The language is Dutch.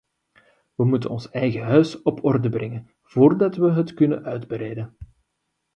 We moeten ons eigen huis op orde brengen, voordat we het kunnen uitbreiden.